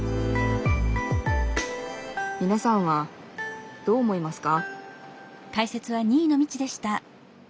みなさんはどう思いますか？